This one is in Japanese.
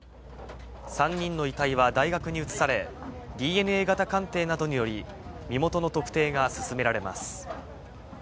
３人の遺体は大学に移され、ＤＮＡ型鑑定などにより、身元の特定が進められます。